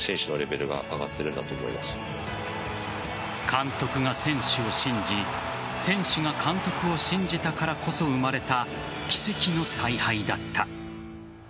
監督が選手を信じ選手が監督を信じたからこそ生まれた奇跡の采配だった。